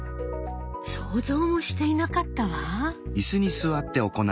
想像もしていなかったわ！